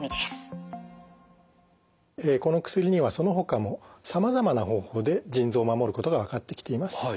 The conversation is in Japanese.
この薬にはそのほかもさまざまな方法で腎臓を守ることが分かってきています。